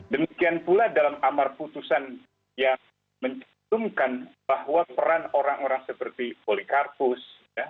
demikian pula dalam amar putusan yang mencantumkan bahwa peran orang orang seperti polikarpus